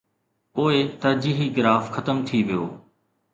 پوءِ ترجيحي گراف ختم ٿي ويو.